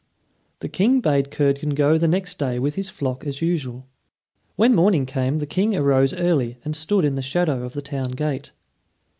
The King bade Curdken go the next day with his flock as usual. When morning came the King arose early and stood in the shadow of the town gate.